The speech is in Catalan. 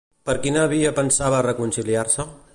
Per quina via pensava reconciliar-se?